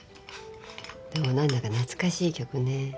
でも何だか懐かしい曲ね。